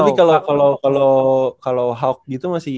tapi kalau kalau kalau kalau hawk gitu masih